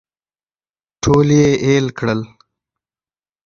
ټول یې اېل کړل.